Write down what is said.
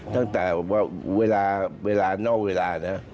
ตั้งแต่เวลานอกเวลานะ